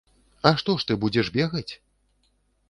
А што ж ты будзеш бегаць?